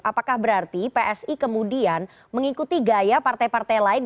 apakah berarti psi kemudian mengikuti gaya partai partai lain